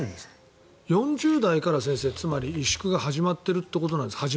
４０代から、始まる人はつまり萎縮が始まっているということですか？